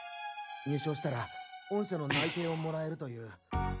入賞したら御社の内定をもらえるという。